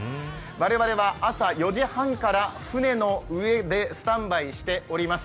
我々は朝４時半から船の上でスタンバイしております。